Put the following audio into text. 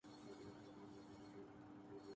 یہ انوکھی نہیں نرالی بات ہوتی۔